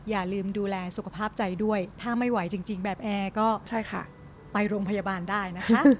อย่าลืมดูแลสุขภาพใจด้วยถ้าไม่ไหวจริงแบบแอร์ก็ใช่ค่ะไปโรงพยาบาลได้นะคะ